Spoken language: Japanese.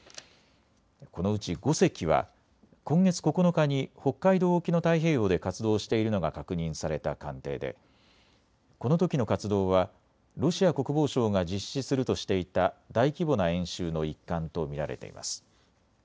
このうち５隻は今月９日に北海道沖の太平洋で活動しているのが確認された艦艇でこのときの活動はロシア国防省が実施するとしていた大規模な演習の一環と見られています。